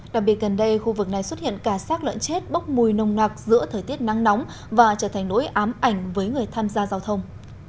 đặc biệt gần đây khu vực này xuất hiện cả sác lợn chết bốc mùi nồng nặc giữa thời tiết nắng nóng và trở thành nỗi ám ảnh với người tham gia giao thông